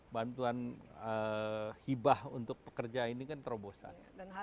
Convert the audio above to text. bantuan hibah untuk pekerja ini kan terobosan